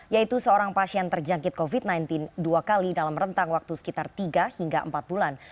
yaitu seorang pasien terjangkit covid sembilan belas dua kali dalam rentang waktu sekitar tiga hingga empat bulan